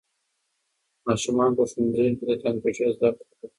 ماشومان په ښوونځیو کې د کمپیوټر زده کړه کوي.